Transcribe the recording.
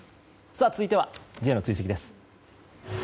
続いてはＪの追跡です。